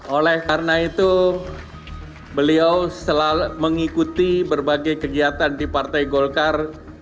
oleh karena itu beliau selalu mengikuti berbagai kegiatan di partai golkar